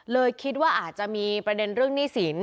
คิดว่าอาจจะมีประเด็นเรื่องหนี้สิน